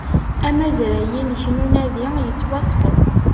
Amazray-inek n unadi yettwasfed